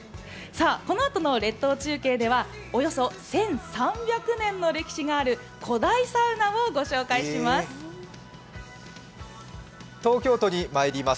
このあとの列島中継ではおよそ１３００年の歴史がある古代サウナを御紹介します。